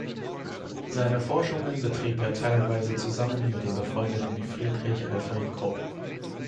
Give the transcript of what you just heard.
Seine Forschungen betrieb er teilweise zusammen mit dem befreundeten Friedrich Alfred Krupp.